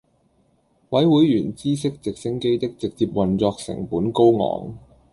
委會員知悉直升機的直接運作成本高昂